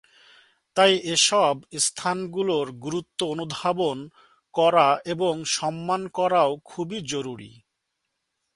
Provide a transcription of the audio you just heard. তাই এসব স্থানগুলোর গুরুত্ব অনুধাবন করা এবং সম্মান করাও খুবই জরুরী।